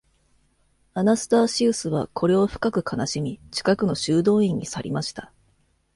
アナスターシウスはこれを深く悲しみ、近くの修道院に去りました。